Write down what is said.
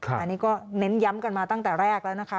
อันนี้ก็เน้นย้ำกันมาตั้งแต่แรกแล้วนะคะ